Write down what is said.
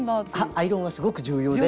アイロンはすごく重要で。